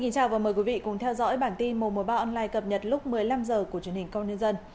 chào mừng quý vị đến với bản tin mùa mùa ba online cập nhật lúc một mươi năm h của truyền hình công nhân dân